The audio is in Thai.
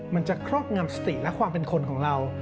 มันจะครอบงำสติและความเป็นคนของเรา